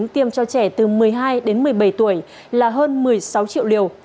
tiêm cho trẻ từ một mươi hai đến một mươi bảy tuổi là hơn một mươi sáu triệu liều